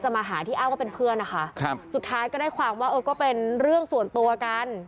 มาหาที่อ้างว่าเป็นเพื่อนนะคะครับสุดท้ายก็ได้ความว่าเออก็เป็นเรื่องส่วนตัวกัน